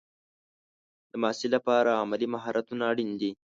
د محصل لپاره عملي مهارتونه اړین دي.